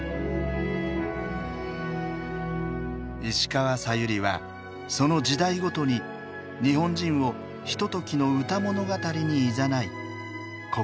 石川さゆりはその時代ごとに日本人をひとときの歌物語にいざない心に力を与えてきました。